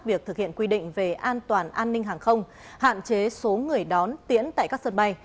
việc thực hiện quy định về an toàn an ninh hàng không hạn chế số người đón tiễn tại các sân bay